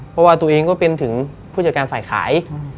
เพราะว่าตัวเองก็เป็นถึงผู้จัดการฝ่ายขาย